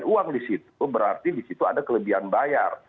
kalau ada pengembalian uang di situ berarti di situ ada kelebihan bayar